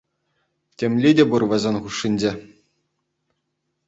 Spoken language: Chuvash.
Темли те пур вӗсен хушшинче.